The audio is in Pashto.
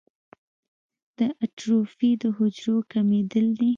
د اټروفي د حجرو کمېدل دي.